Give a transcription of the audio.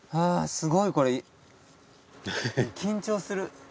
すごいこれ緊張する